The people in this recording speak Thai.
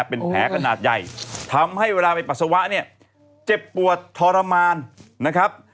เป็นแผลขนาดใหญ่ทำให้เวลาไปปัสสาวะเนี่ยเจ็บปวดทรมานนะครับ